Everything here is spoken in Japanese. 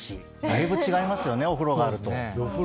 だいぶ違いますよねお風呂があると。